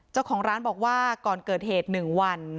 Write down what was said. เจ้าของร้านบอกว่าก่อนเกิดเหตุ๑วัน